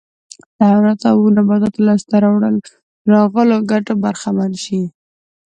د حیواناتو او نباتاتو لاسته راغلو ګټو برخمن شي